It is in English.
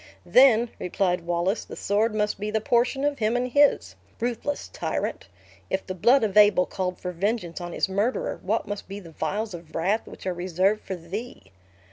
"Then," replied Wallace, "the sword must be the portion of him and his! Ruthless tyrant! If the blood of Abel called for vengeance on his murderer, what must be the vials of wrath which are reserved for thee?"